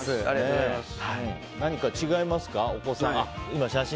何か違いますか？